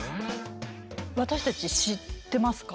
私たち知ってますか？